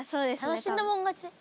楽しんだもん勝ち。